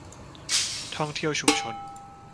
ท่องเที่ยวชุมชน